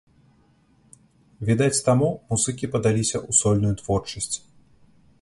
Відаць таму, музыкі падаліся ў сольную творчасць.